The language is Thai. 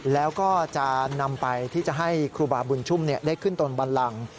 แล้วก็จะนำไปที่จะให้ครูบาบุญชุ่มได้ขึ้นตนบันลัง